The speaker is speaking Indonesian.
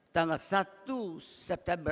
tangan satu september seribu sembilan ratus enam puluh